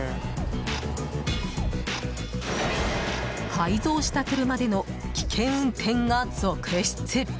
改造した車での危険運転が続出。